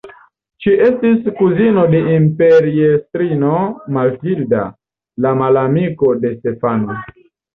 Ŝi estis kuzino de imperiestrino Matilda, la malamiko de Stefano.